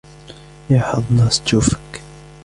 يا حظّ ناس تشوفك